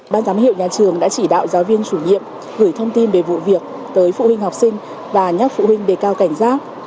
ban giám hiệu nhà trường đã chỉ đạo giáo viên chủ nhiệm gửi thông tin về vụ việc tới phụ huynh học sinh và nhắc phụ huynh để cao cảnh giác